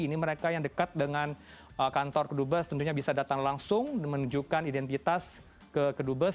ini mereka yang dekat dengan kantor kedubes tentunya bisa datang langsung menunjukkan identitas ke kedubes